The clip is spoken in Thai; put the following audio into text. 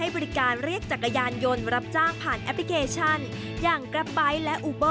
เวลา๑๓๑๒๒๐๒๒